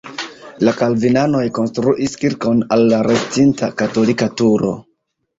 La kalvinanoj konstruis kirkon al la restinta katolika turo.